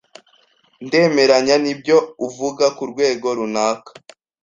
Ndemeranya nibyo uvuga kurwego runaka.